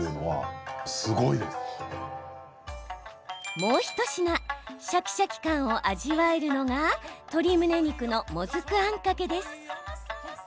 もう一品シャキシャキ感を味わえるのが鶏むね肉のもずくあんかけです。